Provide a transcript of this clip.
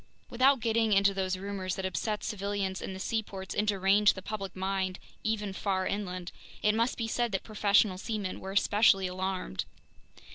Without getting into those rumors that upset civilians in the seaports and deranged the public mind even far inland, it must be said that professional seamen were especially alarmed.